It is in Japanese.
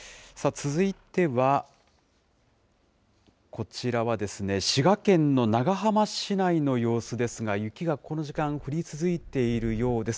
続いては、こちらは滋賀県の長浜市内の様子ですが、雪がこの時間、降り続いているようです。